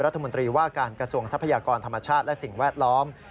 รัฐมนตรีว่าการกระทรวงทรัพยากรธรรมชาติและสิ่งแวดล้อม